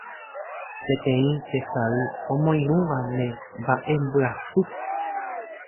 Peteĩ tesay omoirũva ne mba'embyasýpe